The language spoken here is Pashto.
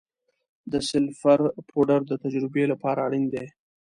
د سلفر پوډر د تجربې لپاره اړین دی.